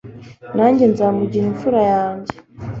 nanjye nzamugira imfura yanjye